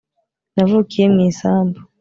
Navukiye mu isambu